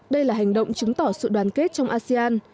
đây là hành động chứng tỏ sự đoàn kết trong asean